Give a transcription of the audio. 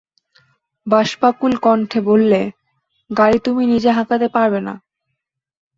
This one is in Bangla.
বাষ্পাকুলকণ্ঠে বললে, গাড়ি তুমি নিজে হাঁকাতে পারবে না।